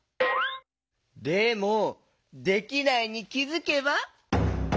でも「できないに気づけば」？